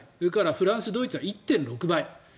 フランス、ドイツは１．６倍。